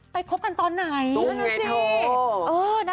ไปคบกันตอนไหน